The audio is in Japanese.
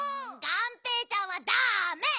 がんぺーちゃんはだめ！